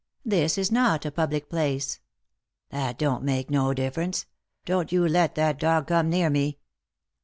" This is not a public place." "That don't make no difference; don't you let that dog come near me."